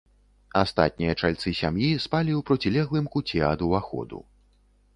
Астатнія чальцы сям'і спалі ў процілеглым куце ад уваходу.